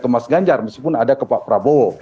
ke mas ganjar meskipun ada ke pak prabowo